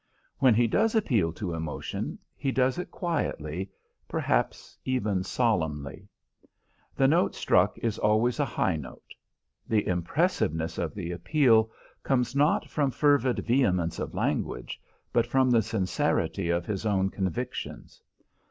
When he does appeal to emotion, he does it quietly, perhaps even solemnly. The note struck is always a high note. The impressiveness of the appeal comes not from fervid vehemence of language, but from the sincerity of his own convictions.